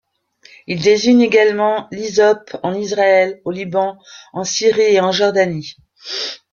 Il désigne également l'hysope en Israël, au Liban, en Syrie et en Jordanie.